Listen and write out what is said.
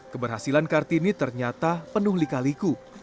keberhasilan kartini ternyata penuh lika liku